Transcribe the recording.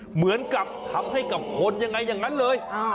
เหมือนกับทำให้กับคนยังไงอย่างนั้นเลย